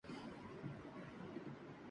بڑا نام حضرت خالد بن ولید